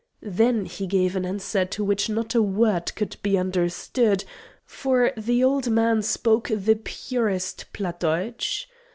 Then he gave an answer of which not a word could be understood, for the old man spoke the purest Platt Deutsch.